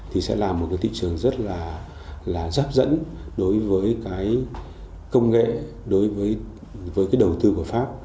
thì sẽ là một thị trường rất là giáp dẫn đối với công nghệ đối với đầu tư của pháp